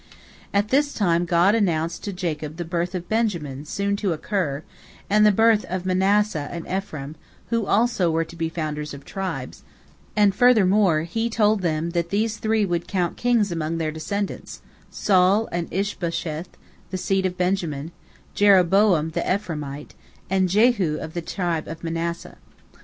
At this time God announced to Jacob the birth of Benjamin soon to occur, and the birth of Manasseh and Ephraim, who also were to be founders of tribes, and furthermore He told him that these three would count kings among their descendants, Saul and Ish bosheth, of the seed of Benjamin, Jeroboam the Ephraimite, and Jehu of the tribe of Manasseh.